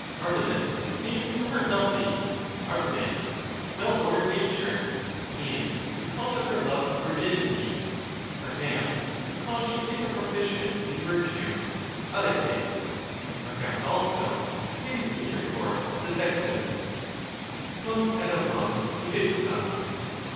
Artemis is named from her healthy {dpTEftfjg), well ordered nature, and because of her love of virginity, perhaps because she is a proficient in virtue [dperr]), and perhaps also as hating intercourse of the sexes {rbv dporov luorjoaaa).